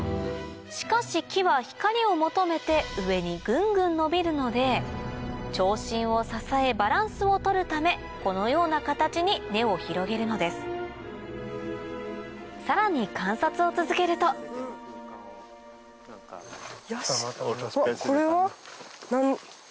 しかし木は光を求めて上にぐんぐん伸びるので長身を支えバランスを取るためこのような形に根を広げるのですさらに観察を続けるとヤシ。